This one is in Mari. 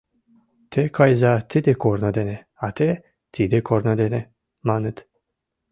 — Те кайыза тиде корно дене, а те — тиде корно дене, — маныт.